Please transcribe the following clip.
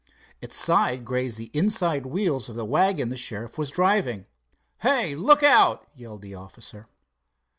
Its side grazed the inside wheels of the wagon the sheriff was driving. "Hey, look out!" yelled the officer.